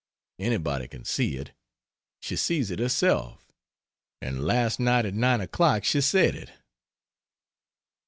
anybody can see it; she sees it herself; and last night at 9 o'clock she said it."